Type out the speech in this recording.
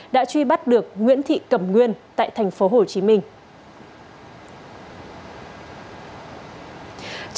đã truy bắt được nguyễn thị cẩm nguyên tại thành phố hồ chí minh